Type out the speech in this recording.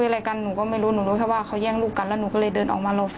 แล้วทะนี้เขาก็